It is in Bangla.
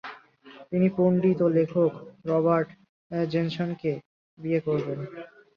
তিনি পণ্ডিত ও লেখক রবার্ট জেনসেনকে বিয়ে করেন।